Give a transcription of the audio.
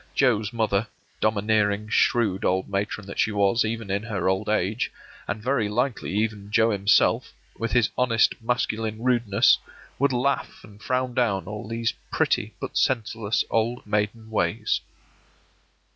Joe's mother, domineering, shrewd old matron that she was even in her old age, and very likely even Joe himself, with his honest masculine rudeness, would laugh and frown down all these pretty but senseless old maiden ways.